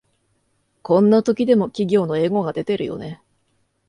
こんな時でも企業のエゴが出てるよね